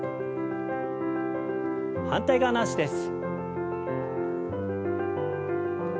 反対側の脚です。